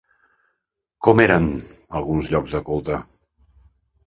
Com eren alguns llocs de culte?